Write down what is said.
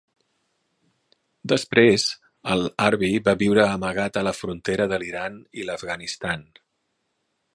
Després, Al-Harbi va viure amagat a la frontera de l'Iran i l'Afganistan.